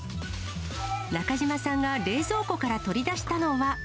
中島さんが冷蔵庫から取り出したのは。